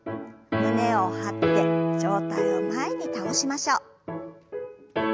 胸を張って上体を前に倒しましょう。